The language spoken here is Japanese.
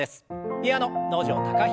ピアノ能條貴大さん。